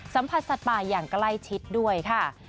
สัมผัสสัตว์ป่าอย่างใกล้ชิดด้วยค่ะ